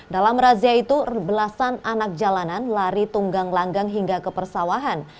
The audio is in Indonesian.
dalam razia itu belasan anak jalanan lari tunggang langgang hingga ke persawahan